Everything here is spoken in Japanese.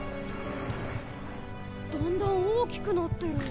だんだん大きくなってる。